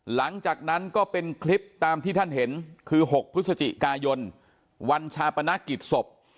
หลังจากนั้นก็เป็นคลิปตามที่ท่านเห็นคือ๖พฤศจิกายนวันชาปนกิจศพ